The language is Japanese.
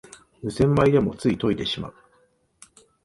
無洗米でもつい研いでしまう